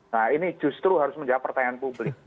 nah ini justru harus menjawab pertanyaan publik